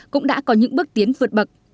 cũng đã có những bước tiến vượt bậc